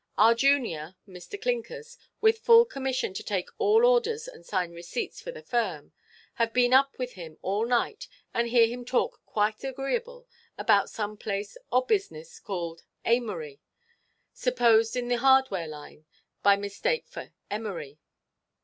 Our junior, Mr. Clinkers, with full commission to take all orders and sign receipts for the firm, have been up with him all night, and hear him talk quite agreeable about some place or business called Amery, supposed in the hardware line by mistake for emery.